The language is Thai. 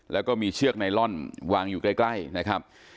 แล้วก็มีเชือกไนลอนวางอยู่ใกล้นะครับ